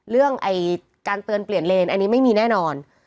เรื่องการเตือนเปลี่ยนเลนอันนี้ไม่มีแน่นอน